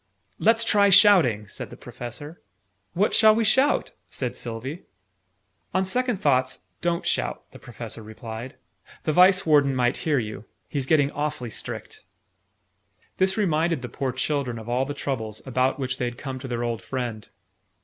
"Lets try shouting," said the Professor. "What shall we shout?" said Sylvie. "On second thoughts, don't shout," the Professor replied. "The Vice Warden might hear you. He's getting awfully strict!" This reminded the poor children of all the troubles, about which they had come to their old friend.